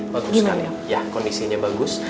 bagus sekali ya kondisinya bagus